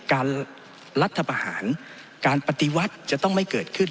รัฐประหารการปฏิวัติจะต้องไม่เกิดขึ้น